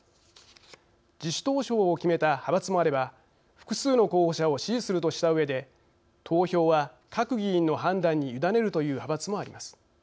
自主投票を決めた派閥もあれば複数の候補者を支持するとしたうえで投票は各議員の判断に委ねるという派閥もあります。